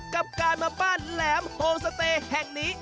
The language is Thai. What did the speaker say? กับการมาบ้านแหลมโฮมสเตย์แห่งนี้